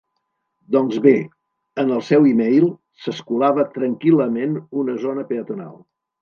Doncs bé, en el seu e-mail s'escolava tranquil·lament una "zona peatonal".